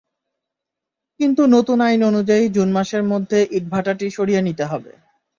কিন্তু নতুন আইন অনুযায়ী জুন মাসের মধ্যে ইটভাটাটি সরিয়ে নিতে হবে।